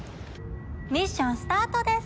ミッションスタートです！